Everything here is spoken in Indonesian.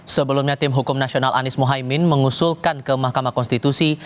sebelumnya tim hukum nasional anies mohaimin mengusulkan ke mahkamah konstitusi